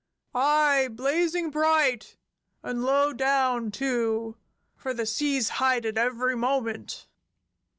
"Aye, blazing bright! And low down, too, for the seas hide it every moment!"